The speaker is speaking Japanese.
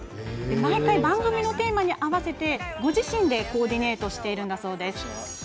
毎回、番組のテーマに合わせてご自身でコーディネートしているんだそうです。